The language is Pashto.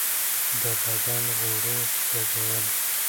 د بدن غوړو سوځول.